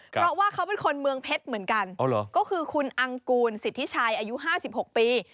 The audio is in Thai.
เพราะว่าเขาเป็นคนเมืองเพชรเหมือนกันก็คือคุณอังกูลสิทธิชัยอายุ๕๖ปี